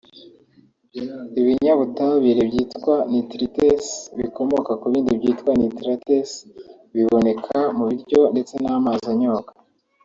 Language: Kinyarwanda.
Ibinyabutabire byitwa Nitrites bikomoka bu bindi byitwa Nitrates (biboneka mu biryo ndetse n’amazi anyobwa